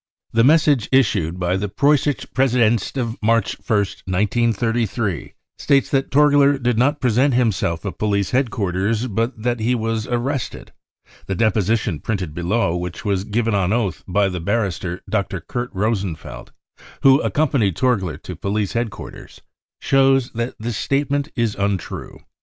The message issued by the Preussische Pressedienst of March ist, 1933, states that Torgier did not present himself at police headquarters, but that he was arrested. The deposi tion printed below, which was given on oath by the bar rister Dr. Kurt Rosenfeld, who accompanied Torgier to police headquarters, shows that this statement is untrue.